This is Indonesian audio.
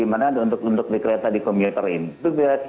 bagaimana untuk di kereta di komuter ini